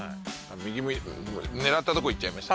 右狙ったとこいっちゃいました。